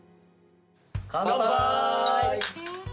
乾杯！